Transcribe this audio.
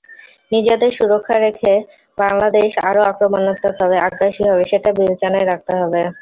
নিজেদের সুরক্ষা রেখে বাংলাদেশ আরও আক্রমণাত্মক হবে, আগ্রাসী হবে—সেটা বিবেচনায় রাখতে হবে।